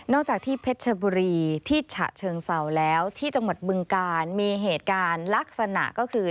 จากที่เพชรชบุรีที่ฉะเชิงเศร้าแล้วที่จังหวัดบึงกาลมีเหตุการณ์ลักษณะก็คือ